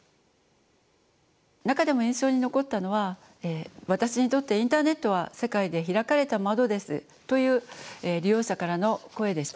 中でも印象に残ったのは「私にとってインターネットは世界で開かれた窓です」という利用者からの声でした。